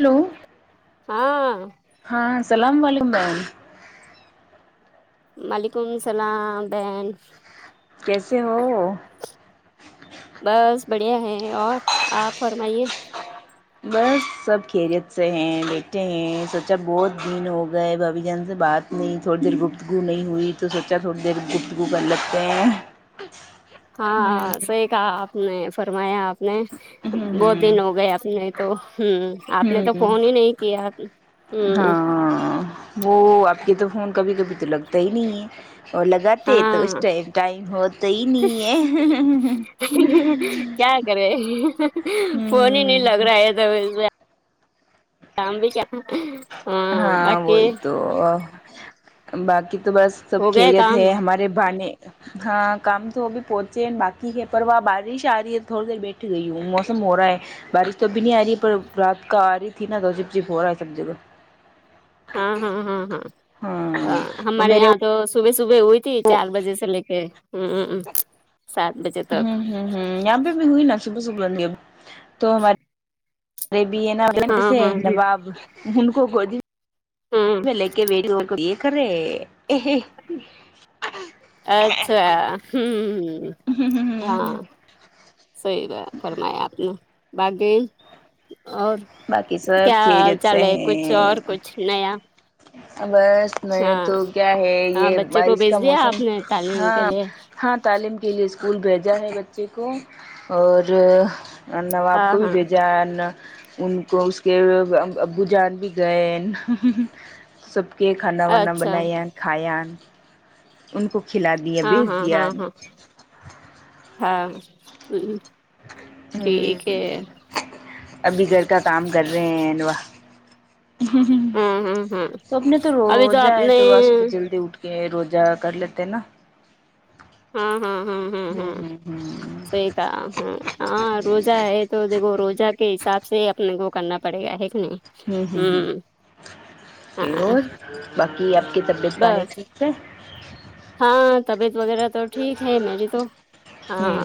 Hello ہاں ہاں السلام وعلیکم بہن وعلیکم السلام بہن کیسے ہو بس بڑھیا ہے اور آپ فرمائیے بس سب خریت سے ہیں بیٹھے ہیں سوچا بہت دن ہو گئے بھابھی جان سے بات نہیں تھوڑی دیر گفتگو نہیں ہوئی تو سوچا تھوڑی دیر گفتگو کر لگتے ہیں ہاں ہوں صحیح کہا آپ نے فرمایا آپ نے ہوں بہت دن ہو گئے آپ نے تو ہمم آپ نے ہوں تو ہوں فون ہی نہیں کیا ہمم ہاں وہ آپ کے تو فون کبھی کبھی تو لگتا ہی نہیں ہے اور لگاتے تو اس ہاں ٹائم ٹائم ہوتا ہی نہیں ہے کیا کرے فون ہی نہیں لگ ہوں رہا ہے [unintelligible] ہاں باقی وہی تو باقی تو بس سب ہو گئے خیریت کام ہے ہمارے بانے ہاں کام تو وہ بھی پہنچے ہیں باقی ہے پر وہ بارش آ رہی ہے تھوڑی دیر بیٹھ گئی ہوں موسم ہو رہا ہے بارش تو اب بھی نہیں آ رہی ہے پر رات کو آ رہی تھی ناں تو چپ چپ ہو رہا ہے سب جگہ ہاں ہاں ہاں ہاں ہاں ہمارے میرے یہاں وہ تو صبح صبح ہوئی تھی چار بجے سے لے کے ہمم سات بجے تک ہمم ہمم یہاں پہ بھی ہوئی نا صبح صبح ہوئی اب تو ہماریے ارے بھی ہے چھوٹے ہاں سے ہاں ہ نواب ان کو گودی ہوں میں لے کے بیٹھی ہوں دیکھ رہے اچھا ہمم ہاں صحیح فرمایا آپ نے باقی اور باقی سب کیا حال خیریت سے چال ہے کچھ ہیں اور کچھ نیا بس میں ہاں تو کیا ہے ہاں یے بچے کو بارش کا بھیج دیا موسم آپ نے تعلیم کے ہاں لیے ہاں تعلیم کے لیے اسکول بھیجا ہے بچے کو اور نواب ہاں کو بھی ہاں بھیجا ان ان کو اس کے ابو جان بھی گئے سب کے کھانا وانا اچھا بنایا کھایا ان کو کھلا دیا ہاں بھیچ ہاں دیا ہاں ہاں ہاں ٹھیک ہے ابھی گھر کا کام کر رہے ہیں واہ ہاں ہاں ہاں سب نے تو ابھی روجہ آپ نے تو بس جلدی اٹھ تے ہیں روزہ کر لیتے ہیں نا ہاں ہاں ہاں ہاں ہ ہاں صحیح کہا ہاں روزہ ہے تو دیکھو روزہ کے حساب سے اپنے کو کرنا پڑے گا ہے کی نہیں ہمم ہمم ہوں ہمم ہاں اور باقی آپ کی طبیعت بس بانی ٹھ ٹھیک ہے ہاں طبیعت وغیرہ تو ٹھیک ہے میری تو ہاں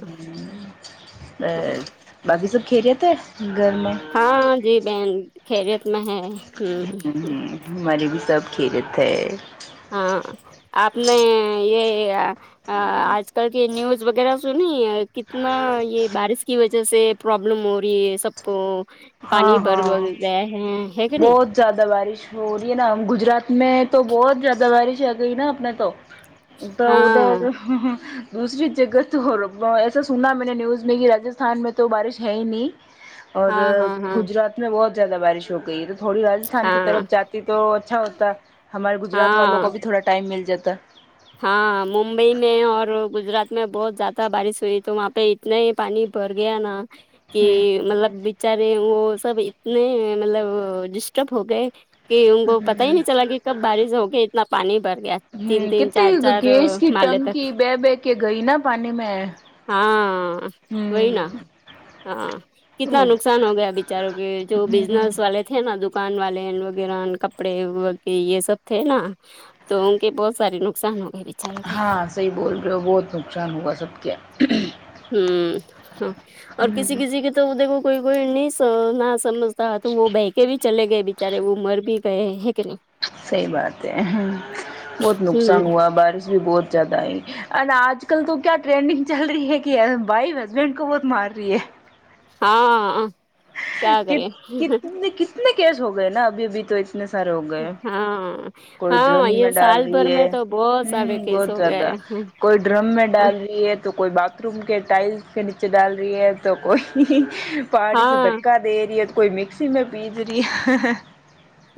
آ باقی سب خیریت ہے گھر میں ہاں جی بہن خیریت میں ہے ہمم ہوں ہمارے بھی سب خیریت ہے ہاں آپ نے یے آج کل کی نیوز وغیرہ سنی کتنا یے بارش کی وجہ سے پرابلم ہو رہی ہے سب کو ہاں پانی بھر ہاں ور گیا ہے ہے کی نہیں بہت زیادہ بارش ہو رہی ہے نا ہم گجرات میں تو بہت زیادہ بارش آ گئی نا اپنے تو تو ادھر ہاں دوسری جگہ تو ایسا سنا میں نے نیوز میں کی راجستھان میں تو بارش ہے ہی نہیں اور ہاں ہاں ہاں گجرات میں بہت زیادہ بارش ہو گئی ہے تو تھوڑی راجستھان کی ہاں طرف جات تو اچھا ہوتا ہے ہمارے گجرات والوں ہاں کو بھی تھوڑا ٹائم مل جاتا ہاں ممبئی میں اور گجرات میں بہت زیادہ بارش ہوئی تو وہاں پے اتنا ہی پانی بھر گیا نا کہ ہوں مطلب بچارے وہ سب اتنے مطلب ڈسٹرب ہو گئے کہ ان کو پتہ ہی نہیں چلا کی کب بارش ہوگی اتنا پانی بھر گیا تین ہمم تین کتنی چار چار گیس کی مالے تک ٹنکی بہہ بہہ کے گئی نا پانی میں ہاں وہی نا ہوں ہاں کتنا نقصان ہو گیا بچاروں کے جو بزنس والے تھے نا دکان والے وغیرہ کپڑے یے سب تھے نا تو ان کے بہت ساری نقصان ہو گئے بچاروں کے ہاں صحیح بول رہے ہو بہت نقصان ہوا سب کے ہمم ہاں اور ہوں کسی کسی کے تو دیکھو کوئی کوئی نہیں نہ سمجھ تو وہ بہکے بھی چلے گئے بچارے وہ مر بھی گئے ہے کہ نہیں صحیح بات ہے بہت نقصان ہوا بارش بھی بہت زیادہ ہے اینڈ آج کل تو کیا ٹرینڈنگ چل رہی ہے کی بائی بنٹ کو بہت مار رہی ہے ہاں کیا کریں اتنے کیس ہو گئے نا ابھی ابھی تو اتنے سارے ہو گئے ہاں کوئی ڈرم ہاں میں یہ ڈال سال رہی بھر میں ہے تو بہت سارے ہمم کیس بہت ہو گئے زیادہ ہیں۔ کوئی ڈرم میں ڈال رہی ہے تو کوئی بات تھ روم کے ٹائلس کے نیچے ڈال رہی ہے تو کوئی پہاڑی سے ہاں دھک کا دے رہی ہے تو کوئی مکسی میں پیس رہی ہے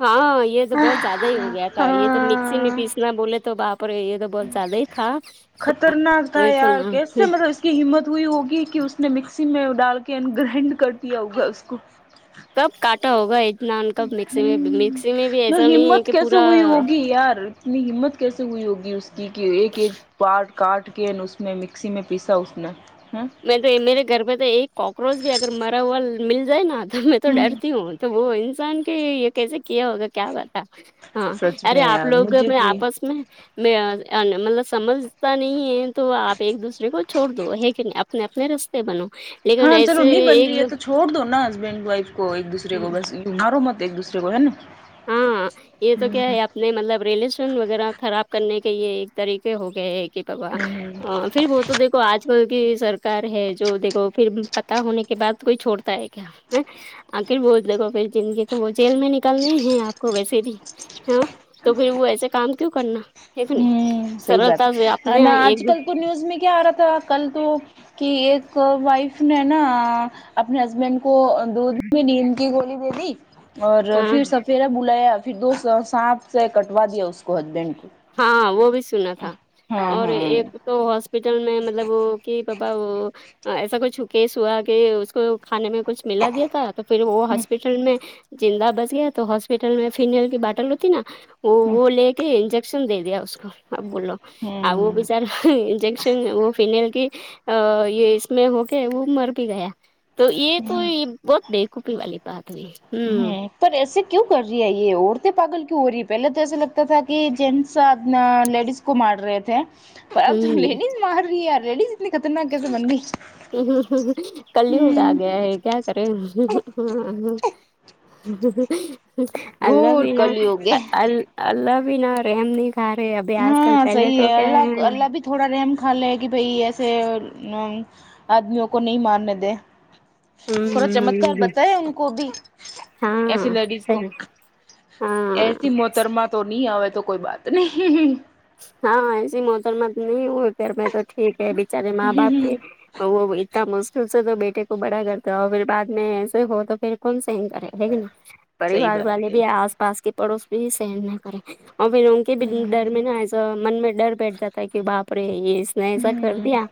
ہاں یے تو بہت زیادہ ہی ہو گیا تھا یے تو مکسی میں ہاں پیسنا بولے تو باپ رے یے تو بہت زیادہ ہی تھا [unintelligible] وہی تو نا کس کی ہمت ہوئی ہوگی کی اس نے مکسی میں ڈال کے گرائنڈ کر دیا ہوگا اس کو کب کاٹا ہوگا ات نان کب مکسی میں مکسی میں بھی نہ ایسا نہیں ہے ہمت کی کیسے پورا ہوئی ہوگی یار اتنی ہمت کیسے ہوئی ہوگی اس کی کی ایک ایک پاٹ کاٹ کے اس میں مکسی میں پیسا اس نے ہمم میں تو میرے گھر پے تو ایک کاکروچ بھی اگر مرا ہوا مل جائے نا میں تو ڈرتی ہوں تو وہ انسان کے یے کیسے کیا ہوگا کیا بتا ہاں سچ ارے میں آپ یار لوگ مجھے میں بھی آپس میں میں مطلب سمجھتا نہیں ہے تو آپ ایک دوسرے کو چھوڑ دو ہے کہ نہیں اپنے اپنے رستے بنو لیکن ہاں چلو ایسے نہیں بن رہی ہے ایک تو چھوڑ دو نا ہسبینڈ وائف کو ایک دوسرے کو بس مارو مت ایک دوسرے کو ہے نا ہاں یہے تو ہوں کیا ہے اپنے مطلب ریلیشن وغیرہ خراب کرنے کے یے ایک طریقے ہو گئے ایک کی پبا ہوں آ پھر وہ تو دیکھو آج کل کی سرکار ہے جو دیکھو پھر پتہ ہونے کے بعد کوئی چھوڑتا ہے کیا آخر بول [unintelligible] پھر زندگی کو وہ جیل میں نکلنا ہے آپ کو ویسے بھی تو پھر وہ ایسے کام کیوں کرنا ایک نہیں ہوں صحیح بات سرلتا سے آپ ہے نے نا آج ایک کل تو نیوز میں کیا آ رہا تھا کل تو کہ ایک وائف نے نا اپنے ہسبینڈ کو دودھ میں نین کی گولی دے دی اور ہاں پھر سفیرا بلایا پھر دوست سانپ سے کٹوا دیا اس کو ازدے نے ہاں وہ بھی سنا تھا اور ہاں ایک تو ہاسپٹل میں مطلب وہ کی پپا وہ ایسا کچھ کیس ہوا کہ اس کو کھانے میں کچھ ملا دیا تھا تو پھر وہ ہاسپٹل میں زندہ بچ گیا تو ہاسپٹل میں فینل کی باٹل ہوتی نا وہ ہوں وہ لے کے انج کشن دے دیا اس کو اب بولو وہ ہوں بیچار انجیکشن وہ فنیل کی ا یے اس میں ہو کے وہ مر بھی گیا تو یے تو بہت بےقوفی والی بات ہوئی ہوں ہمم پر ایسے کیوں کر رہی ہے یے عورتیں پاگل کیوں ہو رہی ہے پہلے تو ایسا لگتا تھا کی جینس اپنا لیڈیز کو مار رہے تھے پر اب تو ہوں لیڈیز مار رہی ہے لیڈیز اتنی خطرناک کیسے بن گئی کلیوگ آ ہوں گیا ہے کیا ارے اللہ گھور بھی نہ کلیوگ ہے اللہ اللہ بھی نہ رحم نہیں سارے ابھی آج کل ہاں پہلے صحیح تو کیا ہے اللہ ہیں اللہ بھی تھوڑا رحم کھا لے کی بھائی ایسے آدمیوں کو نہیں مارنے دیں تھوڑا چمتکار ہ بتایا ان کو بھی ایسی ہاں لیڈیز کو صحیح ہاں ایسی محترمہ تو نہیں ہمیں تو کوئی بات نہیں ہاں ایسی محترمہ نہیں ہوئی پھر میں تو ٹھیک ہے بچارے ماں باپ کے تو وہ اتنا مشکل سے تو بیٹے کو بڑا کرتا ہے اور پھر بعد میں ایسے ہو تو پھر کون سہن کرے گا ہے کی نئی صحیح پریوار والے بات ہے بھی آس پاس کے پڑوس میں بھی سہن نہ کریں اور پھر کسی کے بھی ہوں ڈر میں نا ایسا من میں ڈر بیٹھ جاتا ہے کہ باپ رے یے اس نے ایسا کر ہوں دیا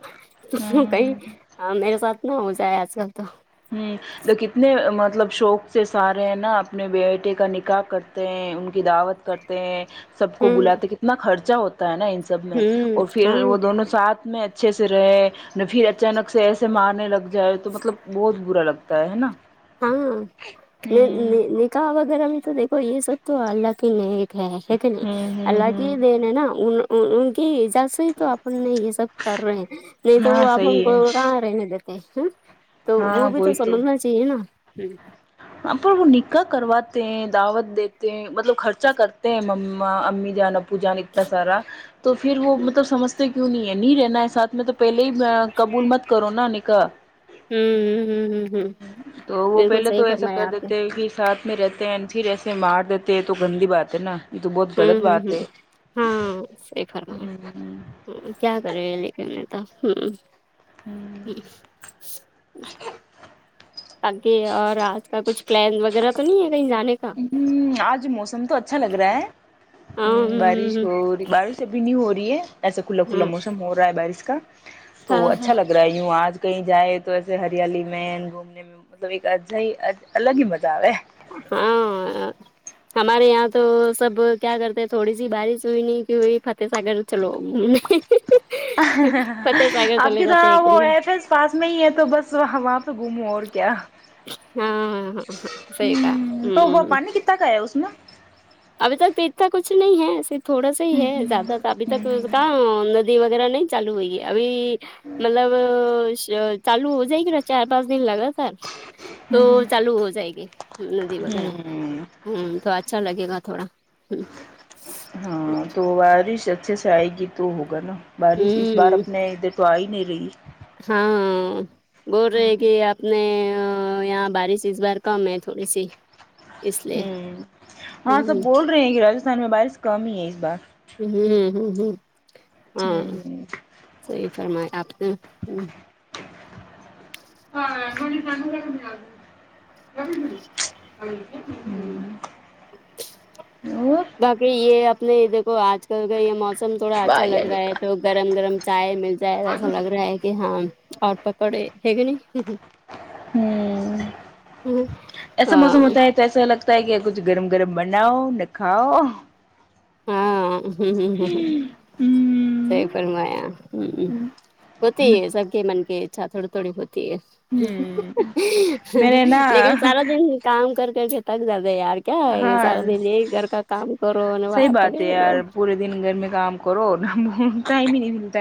کہیں ہوں میرے ساتھ نہ ہو جائے آج کل تو ہمم تو کتنے مطلب شوق سے سارے ہیں نا اپنے بیٹے کا نکاح کرتے ہیں ان کی دعوت کرتے ہیں سب کو ہوں بلاتے کتنا خرچہ ہوتا ہوتا ہے نا ان سب میں ہوں اور ہاں پھر وہ دونوں ساتھ میں اچھے سے رہیں نہ پھر اچانک سے ایسے مارنے لگ جائے تو مطلب بہت برا لگتا ہے ہے نا ہاں ہوں نکاح وغیرہ میں تو دیکھو یے سب تو اللہ کے لیے لیکن ہوں ہوں اللہ کی ہی ہوں دین ہے نا ان ان کی اجازت تو اپن نہیں یہ سب کر رہے ہیں نہیں تو ہاں وہ اپن صحیح کو ہے کہاں رہنے دیتے تو وہ ہاں بھی تو وہی سمجھنا چاہیے نا پر وہ نکاح کرواتے ہیں دعوت دیتے ہیں مطلب خرچہ کرتے ہیں ماما امی جان ابو جان اتنا سارا تو پھر وہ مطلب سمجھتے کیوں نہیں ہے نہیں رہنا ہے ساتھ میں تو پہلے ہی قبول مت کرو نا نکاح ہوں ہوں ہوں ہوں تو وہ بالکل پہلے تو صحیح ایسا کر فرمایا آپ نے دیتے ہی ساتھ میں رہتے ہیں پھر ایسے مار دیتے ہیں تو گندی بات ہے نا یہ تو بہت ہمم غلط ہمم بات ہمم ہے ہاں صحیح ہ فرمایا کیا کریں لیکن ہے نا ہمم ہوں آگے اور آج کل کچھ پلان وغیرہ تو نہیں ہے کہیں جانے کا ہمم آج موسم تو اچھا لگ رہا ہے بارش ہاں ہوری بارش ابھی نہیں ہو رہی ہے ایسا کھلا کھلا ہاں موسم ہو رہا ہے بارش کا تو ہاں اچھا لگ رہی ہوں آج کہیں جائے تو ایسے ہریالی میں گھومنے میں مطلب ایک اچھا ہی الگ ہی مزہ آرہا ہو ہاں آ ہمارے یہاں تو سب کیا کرتے تھوڑی سی بارش ہوئی نہیں کی ہوئی فتح ساگر چلو گھومنے فتح ساگر آپ چلے کی جاتے طرح ایک وہ ہاں ایف ایس پاس میں ہی ہے تو بس وہاں وہاں گھوموں اور کیا ہاں صحیح کہا ہمم تک آیا اس میں ابھی تک تو اتنا کچھ نہیں ہے صرف تھوڑا سا ہی ہے زیادہ تو ابھی تک کام ندی وغیرہ نہیں چالو ہوئے ابھی مطلب چالو ہو جائے گی چار پانچ دن لگا تو چالو ہو جائے گی ندی وغیرہ ہوں ہمم تو اچھا لگے گا تھوڑا ہ ہاں تو بارش اچھے سے ائے گی تو ہوگا نا بارش اس بار ہوں اپنے ادھر تو آہی نہیں رہی ہاں بول رہے کہ اپنے یہاں بارش اس بار کم ہے تھوڑی سی اس لیے ہمم ہاں سب ہ بول رہے ہیں راجستان میں بارش کم ہی ہے اس بار ہمم ہمم ہمم ہمم ہمم صحیح فرمایا آپ نے ہاں تھوڑی چلو باقی یے اپنے دیکھو اج کل کا یے موسم تھوڑا اچھا لگ باہر رہا ہے نکال تو گرم گرم چائے مل جائے ایسا لگ رہا ہے کہ ہاں اور پکوڑے ہے کے نہیں ہمم ہمم ہاں موسم ہوتا ہے تو ایسا لگتا ہے کہ کچھ گرم گرم بناؤ نہ کھاؤ ہاں ہوں صحیح فرمایا ہم ہوتی ہے سب کے من کی اچھا تھوڑی تھوڑی ہوتی ہے میرے نا لیکن سارا دن کام کر کر تھک جاتے یار کیا ہے ہاں سارا دن گھر یہی گھر کا کام کرو انو باہر پڑے تے ہوں یار پورے دن گھر میں کام کرو ہم ٹائم ہی نہیں ملتا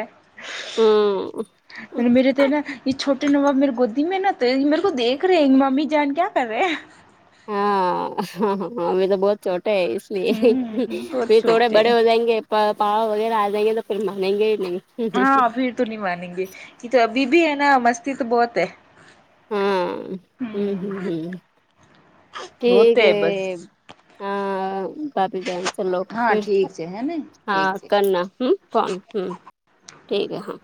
ہاں انو مرے تے نہ یے چھوٹے نواب میرے گودی میں نا تو یے میرے کو دیکھ رہے ہیں ممی جان کیا کر رہے ہیں ہاں ابھی تو بہت چھوٹے ہے اس نہیں ہوں پھر بہت تھوڑے بڑے چھوٹے ہو جائیں گے پاؤ وغیرہ آجائیں گے تو پھر مانیں گے ہی نہیں ہاں پھر تو نہیں مانے گے یے تو ابھی بھی ہے نا مستی تو بہت ہے ہاں آمم ہوں ہمم ہمم ٹھیک ہوتے ہے بس ہاں پاپی جان چلو ہاں پھر ٹھیک سے ہے نا ہاں ٹھیک سے کرنا ہمم فون ہمم ٹھیک ہے ہاں